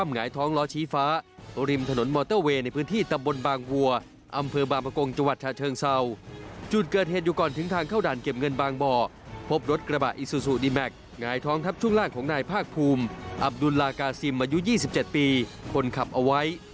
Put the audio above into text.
นายท้องทัพชุ่งร่างของนายภาคภูมิอับดุลลากาซิมมายุ่งยี่สิบเจ็ดปีคนขับเอาไว้